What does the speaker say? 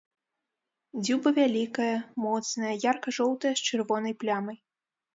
Дзюба вялікая, моцная, ярка-жоўтая з чырвонай плямай.